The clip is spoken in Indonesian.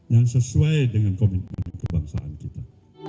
yang sesuai dengan komitmen kebangsaan kita